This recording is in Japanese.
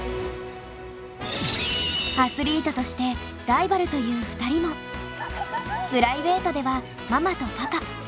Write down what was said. アスリートとしてライバルという２人もプライベートではママとパパ。